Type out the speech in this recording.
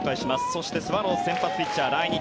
そしてスワローズ先発ピッチャー来日